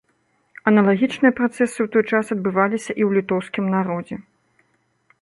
Аналагічныя працэсы ў той час адбываліся і ў літоўскім народзе.